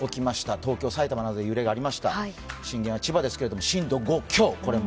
東京、埼玉などで揺れがありました震源は千葉でしたが震度５強、これも。